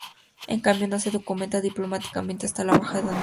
En cambio no se documenta diplomáticamente hasta la Baja Edad Media.